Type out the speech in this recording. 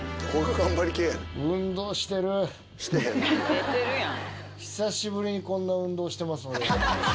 寝てるやん。